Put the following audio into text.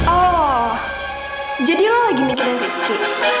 oh jadi lo lagi mikirin rizky